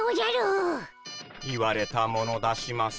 言われたもの出します。